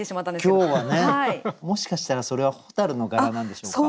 今日はねもしかしたらそれは蛍の柄なんでしょうか？